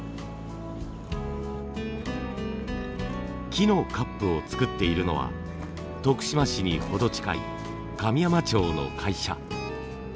木のカップを作っているのは徳島市に程近い神山町の会社。